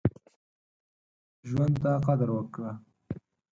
ژوند ته قدر وکړه.